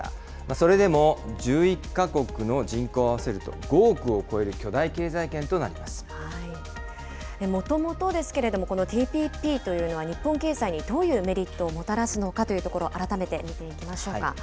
それでも１１か国の人口を合わせると５億を超える巨大経済圏となもともとですけれども、このＴＰＰというのは日本経済にどういうメリットをもたらすのかというところ、改めて見ていきましょうか。